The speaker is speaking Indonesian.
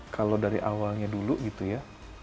kalau dari awalnya dulu gitu ya